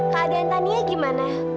keadaan tania gimana